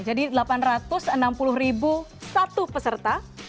jadi delapan ratus enam puluh satu peserta